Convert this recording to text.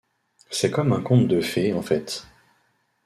C'est comme un conte de fée, en fait.